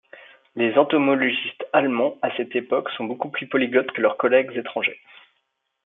Les entomologistes allemands à cette époque sont beaucoup plus polyglottes que leurs collègues étrangers.